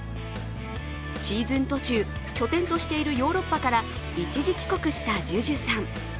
シーズン途中、拠点としているヨーロッパから一時帰国したＪｕｊｕさん。